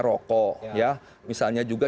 rokok misalnya juga